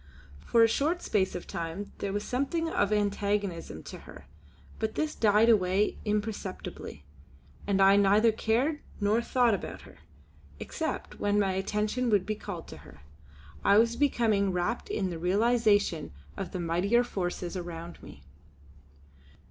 For a short space of time there was something of antagonism to her; but this died away imperceptibly, and I neither cared nor thought about her, except when my attention would be called to her. I was becoming wrapped in the realisation of the mightier forces around me.